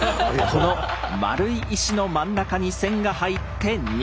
この円い石の真ん中に線が入って「日」。